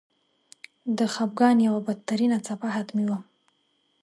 د خپګان یوه بدترینه څپه حتمي وه.